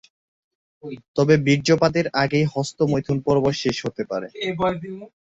তবে বীর্যপাতের আগেই হস্তমৈথুন পর্ব শেষ হতে পারে।